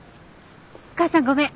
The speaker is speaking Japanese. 母さんごめん。